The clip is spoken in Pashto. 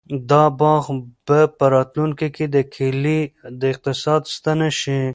دا باغ به په راتلونکي کې د کلي د اقتصاد ستنه شي.